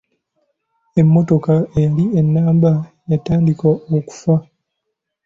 Emmotoka eyali ennamu yatandika okufa.